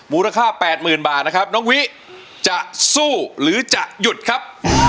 มูลค่า๘๐๐๐บาทนะครับน้องวิจะสู้หรือจะหยุดครับ